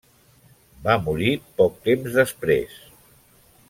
Va morir poc temps després.